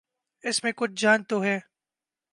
اس میں کچھ جان تو ہے۔